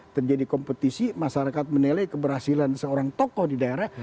terjadi kompetisi masyarakat menilai keberhasilan seorang tokoh di daerah